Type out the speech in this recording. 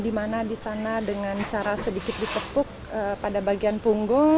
dimana di sana dengan cara sedikit di tepuk pada bagian punggung